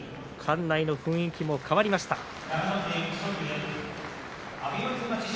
館内の雰囲気も変わりました。